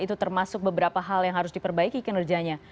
itu termasuk beberapa hal yang harus diperbaiki kinerjanya